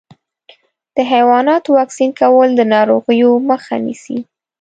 د حيواناتو واکسین کول د ناروغیو مخه نیسي.